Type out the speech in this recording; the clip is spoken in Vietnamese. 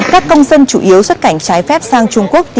các công dân chủ yếu xuất cảnh trái phép sang trung quốc